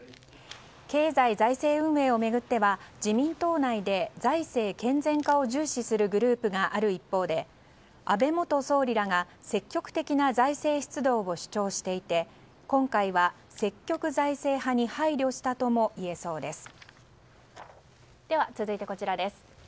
経済財政運営を巡っては自民党内で財政健全化を重視するグループがある一方で安倍元総理らが積極的な財政出動を主張していて今回は積極財政派に配慮したともいえそうです。